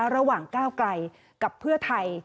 ระหว่างก้าวไกลกับเพื่อไทย